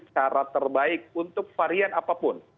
cara terbaik untuk varian apapun